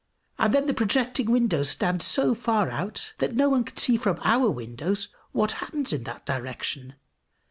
And then the projecting windows stand so far out, that no one can see from our windows what happens in that direction!